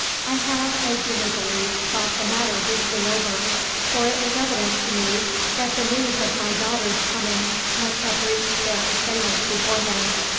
"I have, as you may believe, thought the matter deeply over, for it was evident to me that the news of my daughters' coming must have reached their assailants beforehand.